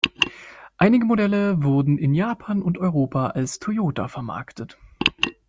Einige Modelle wurden in Japan und Europa als Toyota vermarktet.